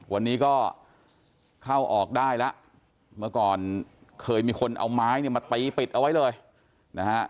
วันนี้ก็เข้าออกได้แล้วเมื่อก่อนเคยมีคนเอาไม้เนี่ยมาตีปิดเอาไว้เลยนะฮะ